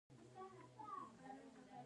شفافیت په ګمرکونو کې مهم دی